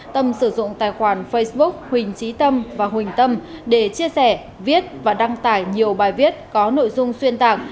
hai nghìn một mươi chín tâm sử dụng tài khoản facebook huỳnh trí tâm và huỳnh tâm để chia sẻ viết và đăng tải nhiều bài viết có nội dung xuyên tạc